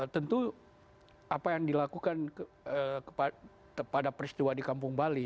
tentu apa yang dilakukan pada peristiwa di kampung bali